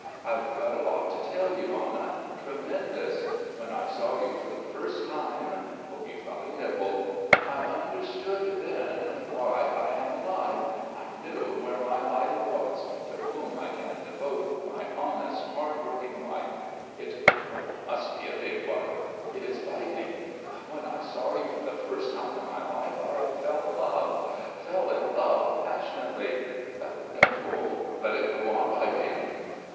I've got a lot to tell you, Anna tremendous ... when I saw you for the first time ... you've got a nibble ... I understood then why I am alive, I knew where my idol was, to whom I can devote my honest, hardworking life.... It must be a big one ... it is biting.... When I saw you for the first time in my life I fell in love fell in love passionately I Don't pull. Let it go on biting....